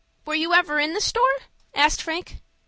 "Were you ever in the store?" asked Frank.